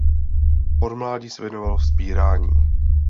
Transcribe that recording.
Od mládí se věnoval vzpírání.